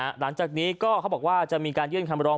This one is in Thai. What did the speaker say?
หลังจากนี้ก็เขาบอกว่าจะมีการยื่นคำร้อง